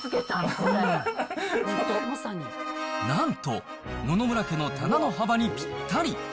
これなんと、野々村家の棚の幅にぴったり。